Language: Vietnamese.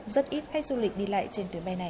rất ít khách du lịch đi lại trên tuyến bay này